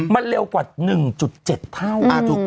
มันเร็วกว่า๑๗เท่า